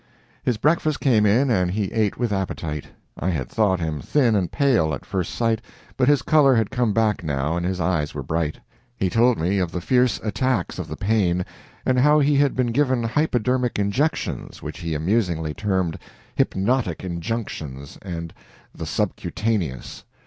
His breakfast came in and he ate with appetite. I had thought him thin and pale, at first sight, but his color had come back now, and his eyes were bright. He told me of the fierce attacks of the pain, and how he had been given hypodermic injections which he amusingly termed "hypnotic injunctions" and "the sub cutaneous."